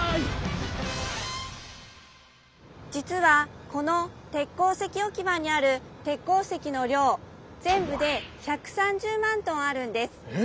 じつはこの鉄鉱石おき場にある鉄鉱石の量ぜんぶで１３０万トンあるんです。え！